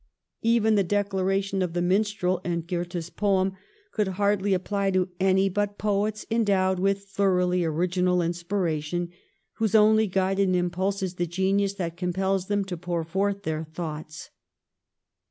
Even the declaration of the minstrel in Goethe's poem could hardly apply to any but poets endowed with thoroughly original inspiration, whose only guide and impulse is the genius that compels them to pour forth their thoughts.